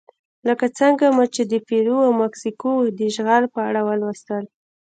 لکه څنګه مو چې د پیرو او مکسیکو د اشغال په اړه ولوستل.